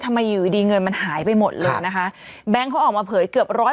อยู่ดีเงินมันหายไปหมดเลยนะคะแบงค์เขาออกมาเผยเกือบร้อย